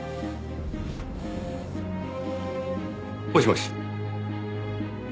もしもし。